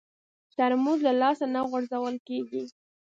ترموز له لاسه نه غورځول کېږي.